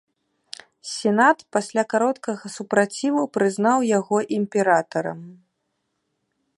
Сенат, пасля кароткага супраціву, прызнаў яго імператарам.